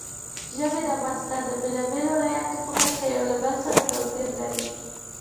ژبې د افغانستان د بېلابېلو ولایاتو په کچه یو له بل سره توپیر لري.